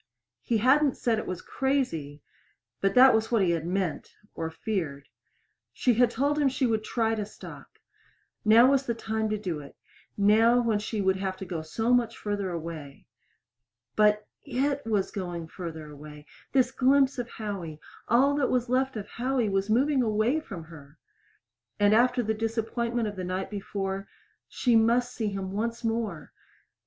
He hadn't said it was crazy, but that was what he meant or feared. She had told him she would try to stop. Now was the time to do it now when she would have to go so much farther away. But it was going farther away this glimpse of Howie all that was left of Howie was moving away from her! And after the disappointment of the night before She must see him once more!